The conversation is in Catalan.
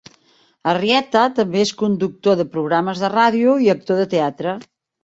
Arrieta també és conductor de programes de ràdio i actor de teatre.